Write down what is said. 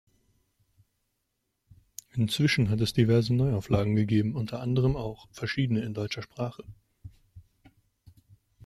Inzwischen hat es diverse Neuauflagen gegeben, unter anderem auch verschiedene in deutscher Sprache.